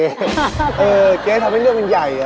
เออเจ๊ทำให้เรื่องเป็นใหญ่